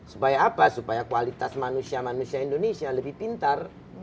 supaya apa supaya kualitas manusia manusia indonesia lebih pintar